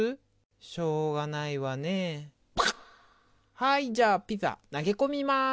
はいじゃあピザ投げ込みます！